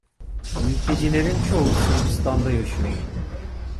Mültecilerin çoğu Sırbistan'da yaşıyor.